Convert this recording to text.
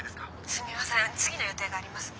「すみません次の予定がありますんで」。